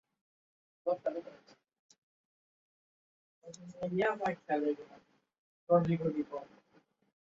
মির্জাপুর উপজেলার উত্তরে সখিপুর উপজেলা, দক্ষিণে ধামরাই উপজেলা, পুর্বে কালিয়াকৈর উপজেলা এবং পশ্চিমে দেলদুয়ার উপজেলা অবস্থিত।